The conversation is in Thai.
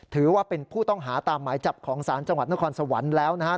ถือว่าเป็นผู้ต้องหาตามหมายจับของศาลจังหวัดนครสวรรค์แล้วนะครับ